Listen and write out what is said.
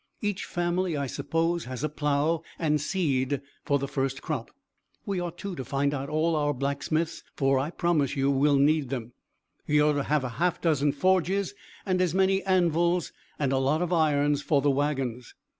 Each family, I suppose, has a plow and seed for the first crop. We ought, too, to find out all our blacksmiths, for I promise you we'll need them. We ought to have a half dozen forges and as many anvils, and a lot of irons for the wagons.